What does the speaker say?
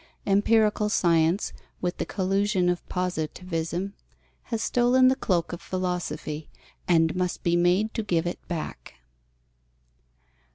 Empirical science, with the collusion of positivism, has stolen the cloak of philosophy and must be made to give it back.